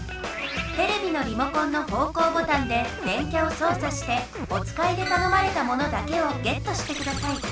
テレビのリモコンの方向ボタンで電キャをそうさしておつかいでたのまれたものだけをゲットしてください。